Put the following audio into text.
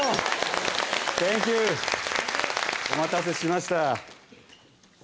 お待たせしました。